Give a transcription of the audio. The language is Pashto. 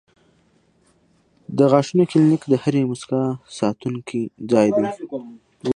د غاښونو کلینک د هرې موسکا ساتونکی ځای دی.